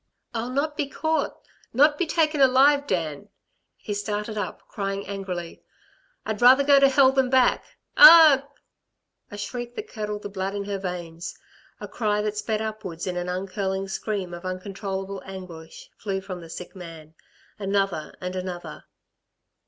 "I'll not be caught ... not be taken alive, Dan." He started up crying angrily. "I'd rather go to hell than back. A u gh!" A shriek that curdled the blood in her veins, a cry that sped upwards in an uncurling scream of uncontrollable anguish, flew from the sick man. Another and another.